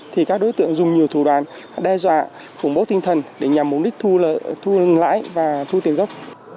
thì các đối tượng dùng nhiều thủ đoàn đe dọa khủng bố tinh thần để nhằm mục đích thu lãi và thu tiền gốc